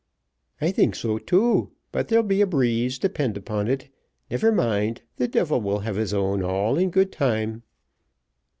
"I think so too: but there'll be a breeze, depend upon it never mind, the devil will have his own all in good time."